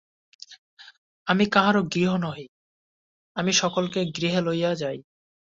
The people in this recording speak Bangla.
আমি কাহারো গৃহ নহি, আমি সকলকে গৃহে লইয়া যাই।